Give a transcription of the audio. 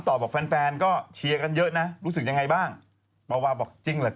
ต่อบอกแฟนก็เชียร์กันเยอะนะรู้สึกยังไงบ้างบอกจริงแหละ